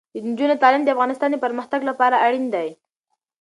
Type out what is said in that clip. د نجونو تعلیم د افغانستان پرمختګ لپاره اړین دی.